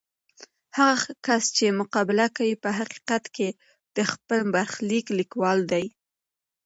هغه کس چې مقابله کوي، په حقیقت کې د خپل برخلیک لیکوال دی.